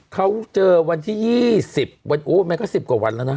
เขาเจอวันที่๒๐วันมันก็๑๐กว่าวันแล้วนะ